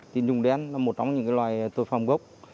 tình trùng đen là một trong những loài tội phạm gốc